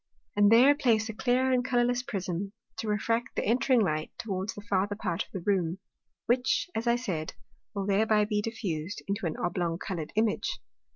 And there place a clear and colourless Prism, to refract the entring Light towards the farther part of the Room; which, as I said, will thereby be diffused into an oblong coloured Image.